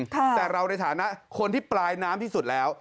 แต่เราในฐานะคนที่ปลายน้ำที่สุดแล้ว